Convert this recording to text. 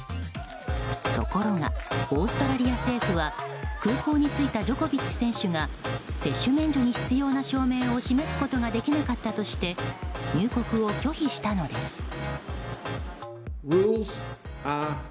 ところが、オーストラリア政府は空港に着いたジョコビッチ選手が接種免除に必要な証明を示すことができなかったとして入国を拒否したのです。